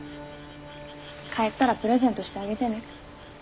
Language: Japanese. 帰ったらプレゼントしてあげてね。